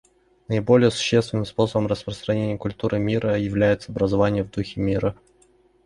Наиболее существенным способом распространения культуры мира является образование в духе мира.